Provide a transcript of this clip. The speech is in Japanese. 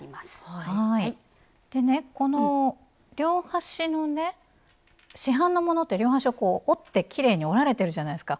でねこの両端のね市販のものって両端をこう折ってきれいに折られてるじゃないですか。